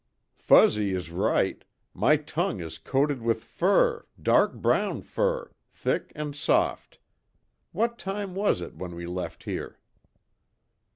"Fuzzy is right! My tongue is coated with fur dark brown fur thick and soft. What time was it when we left here?"